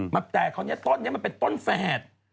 มาแตกต้นนี้มันเป็นต้นแฝด